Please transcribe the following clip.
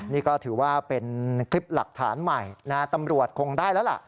นี่ก็ถือว่าเป็นคลิปหลักฐานใหม่นะตำรวจคงได้แล้วล่ะ